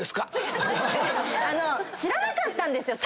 知らなかったんですよ。